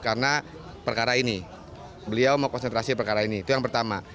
karena perkara ini beliau mau konsentrasi perkara ini itu yang pertama